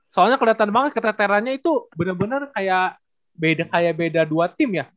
soalnya keliatan banget keteterannya itu bener bener kayak beda beda dua tim ya